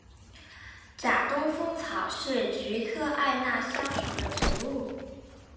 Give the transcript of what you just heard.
假东风草是菊科艾纳香属的植物。